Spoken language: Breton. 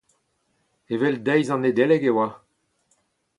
Evel deiz an Nedeleg e oa.